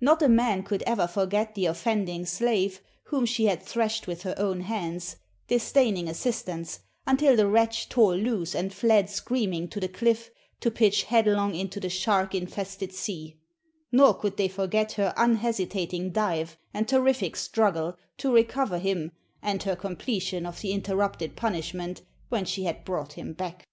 Not a man could ever forget the offending slave whom she had thrashed with her own hands, disdaining assistance, until the wretch tore loose and fled screaming to the cliff to pitch headlong into the shark infested sea; nor could they forget her unhesitating dive and terrific struggle to recover him and her completion of the interrupted punishment when she had brought him back.